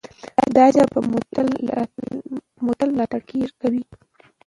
دا ژبه به مو تل ملاتړ کوي.